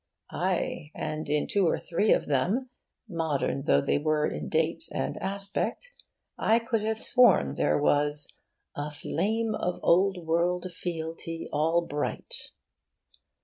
Aye, and in two or three of them, modern though they were in date and aspect, I could have sworn there was 'a flame of old world fealty all bright.